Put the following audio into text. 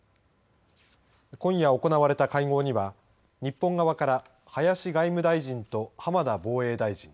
今夜、行われた会合には日本側から林外務大臣と浜田防衛大臣